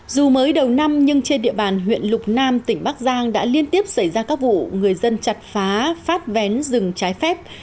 dù mới đầu năm nhưng trên địa bàn huyện lục nam tỉnh bắc giang đã liên tiếp xảy ra các vụ người dân chặt phá phát vén rừng trái phép